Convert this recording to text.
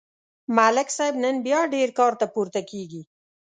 ملک صاحب نن بیا ډېر کارته پورته کېږي.